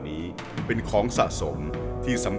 เหมือนเล็บแบบงองเหมือนเล็บตลอดเวลา